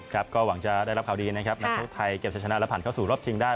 ครับก็หวังจะได้รับข่าวดีนะครับนักโทษไทยเก็บจะชนะและผ่านเข้าสู่รอบชิงได้